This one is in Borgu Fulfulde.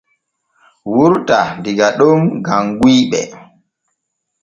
Wurta diga ɗo gam guyɓe.